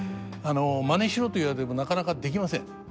「まねしろ」と言われてもなかなかできません。